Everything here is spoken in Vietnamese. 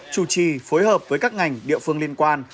chủ trì phối hợp với các ngành địa phương liên quan